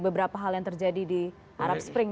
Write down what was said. beberapa hal yang terjadi di arab spring